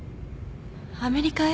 アメリカへ？